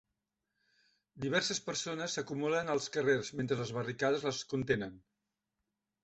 Diverses persones s'acumulen als carrers mentre les barricades les contenen.